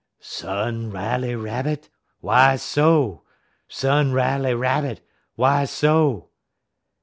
"'Son Riley Rabbit, why so? Son Riley Rabbit, why so?'